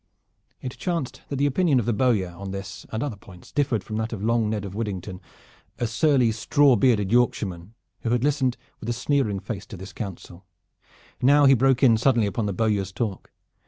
It chanced that the opinion of the bowyer on this and other points differed from that of Long Ned of Widdington, a surly straw bearded Yorkshireman, who had listened with a sneering face to his counsel. Now he broke in suddenly upon the bowyer's talk.